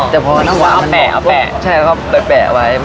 แต่พอนั่งหวาน